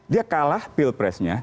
dia kalah pilpresnya